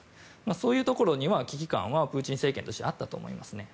そういうところには危機感はプーチン政権としてはあったと思いますね。